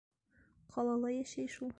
Ҡалала йәшәй шул.